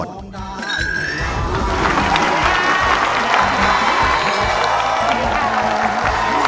ขอบคุณครับ